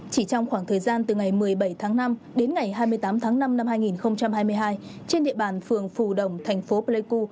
chỉ trong khoảng thời gian từ ngày một mươi bảy tháng năm đến ngày hai mươi tám tháng năm năm hai nghìn hai mươi hai trên địa bàn phường phù đồng thành phố pleiku